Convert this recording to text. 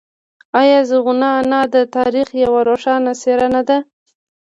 آیا زرغونه انا د تاریخ یوه روښانه څیره نه ده؟